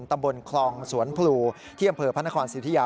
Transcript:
ตำบลคลองสวนพลูที่อำเภอพระนครสิทธิยา